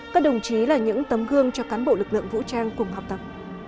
các đồng chí là những tấm gương cho cán bộ lực lượng vũ trang cùng học tập